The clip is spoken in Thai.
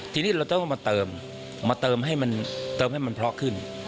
ทีนี้เราต้องมาเติมเติมให้มันเพราะขึ้น